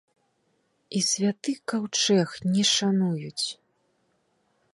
І святы каўчэг не шануюць!